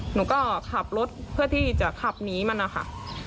หนูก็ขับรถเพื่อที่จะขับหนีมันนะคะ